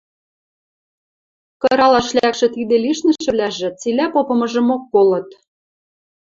Кыралаш лӓкшӹ тидӹ лишнӹшӹвлӓжӹ цилӓ попымыжымок колыт.